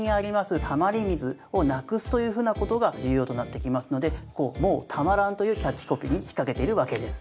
たまり水をなくすというふうな事が重要となってきますので「もうたまらん」というキャッチコピーに引っかけているわけです。